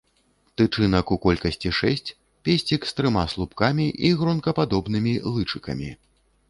Тычынак у колькасці шэсць, песцік з трыма слупкамі і гронкападобнымі лычыкамі.